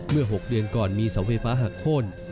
เมื่อ๖เดือนก่อนมีเสาไฟฟ้าหักโค้น